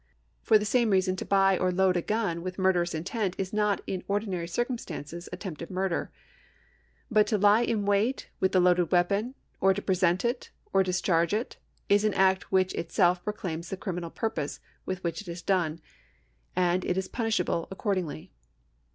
^ For the same reason, to buy or load a gun with murderous intent is not in ordinary circumstances attempted murder ; but to lie in wait with the loaded wea}>on, or to present it, or discharge it. is an act which itself proclaims the criminal pm'pose with which it is done, and it is punishable accordingly.